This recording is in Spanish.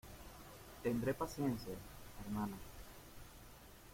tendré paciencia, hermana.